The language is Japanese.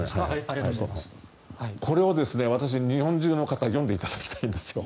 これを私、日本中の方に読んでいただきたいんですよ。